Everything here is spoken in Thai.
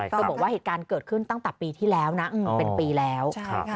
เธอบอกว่าเหตุการณ์เกิดขึ้นตั้งแต่ปีที่แล้วนะเป็นปีแล้ว